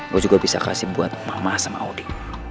gua juga bisa kasih buat mama sama odi